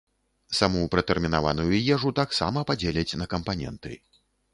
Саму пратэрмінаваную ежу таксама падзеляць на кампаненты.